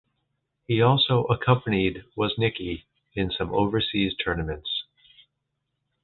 He also accompanied Wozniacki in some overseas tournaments.